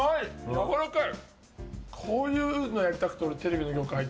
やわらかい。